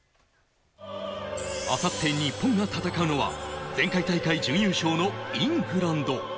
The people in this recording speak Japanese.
あさって日本が戦うのは前回大会、準優勝のイングランド。